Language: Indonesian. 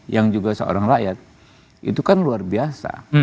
yang juga seorang rakyat itu kan luar biasa